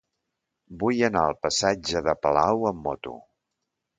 Vull anar al passatge de Palau amb moto.